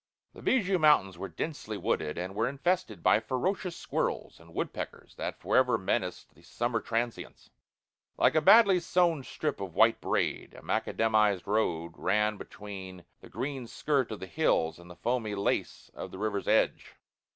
The bijou mountains were densely wooded and were infested by ferocious squirrels and woodpeckers that forever menaced the summer transients. Like a badly sewn strip of white braid, a macadamized road ran between the green skirt of the hills and the foamy lace of the river's edge.